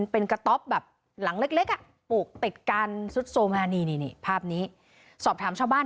เป็นกระต๊อบแบบหลังเล็กอ่ะปลูกติดกันซุดโทรมานี่ภาพนี้สอบถามชาวบ้าน